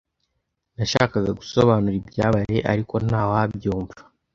Nashakaga gusobanura ibyabaye, ariko ntawabyumva.